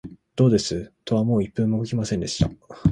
どうです、戸はもう一分も動きませんでした